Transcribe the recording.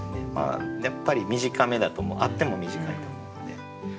やっぱり短めだと思うあっても短いと思うので。